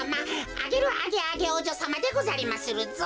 アゲル・アゲアゲおうじょさまでござりまするぞ。